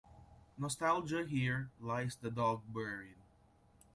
Nostalgia Here lies the dog buried.